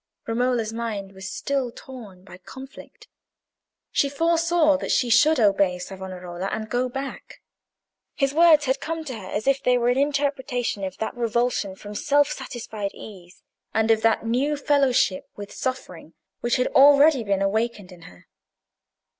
Romola's mind was still torn by conflict. She foresaw that she should obey Savonarola and go back: his words had come to her as if they were an interpretation of that revulsion from self satisfied ease, and of that new fellowship with suffering, which had already been awakened in her.